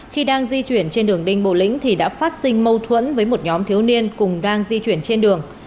khi đang di chuyển trên đường đinh bộ lĩnh thì đã phát sinh mâu thuẫn với một nhóm thiếu niên cùng đang di chuyển trên đường